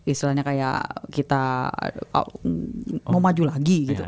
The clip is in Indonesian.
istilahnya kayak kita mau maju lagi gitu